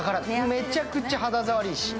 めちゃくちゃ肌触りいいし。